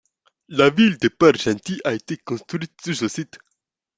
La ville de Port-Gentil a été construite sur ce site.